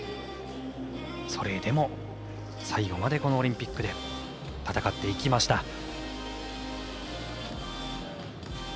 それでも、最後までこのオリンピックで戦っていきました。